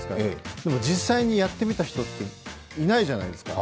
でも実際にやってみた人っていないじゃないですか。